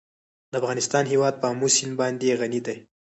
د افغانستان هیواد په آمو سیند باندې غني دی.